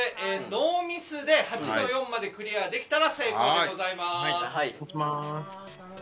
ノーミスで８の４までクリアできたら成功でございます。